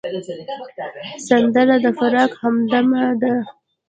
سندره د فراق همدمه ده